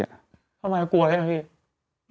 ทำไมกลัวใช่ไหมพี่